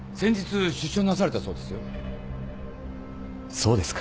そうですか。